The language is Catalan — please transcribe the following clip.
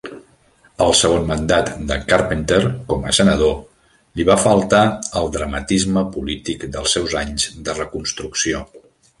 Al segon mandat de Carpenter com a senador li va faltar el dramatisme polític dels seus anys de reconstrucció.